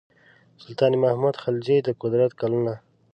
سلطان محمود خلجي د قدرت کلونه.